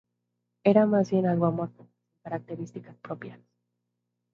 Era más bien algo amorfo, sin características propias.